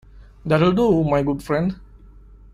That'll do, my good friend!